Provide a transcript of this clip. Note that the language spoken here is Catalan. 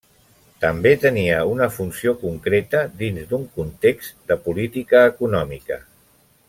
També tenia una funció concreta dins d'un context de política econòmica.